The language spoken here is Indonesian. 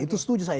itu setuju saya